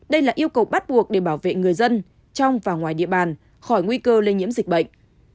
đây là yêu cầu bắt buộc để bảo vệ người dân trong và ngoài địa bàn khỏi nguy cơ lây nhiễm dịch bệnh